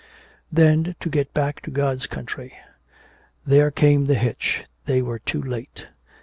Then to get back to God's country! There came the hitch, they were too late.